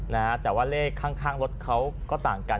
แต่ว่าเลขข้างรถเขาก็ต่างกัน